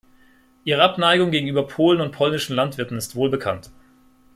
Ihre Abneigung gegenüber Polen und polnischen Landwirten ist wohl bekannt.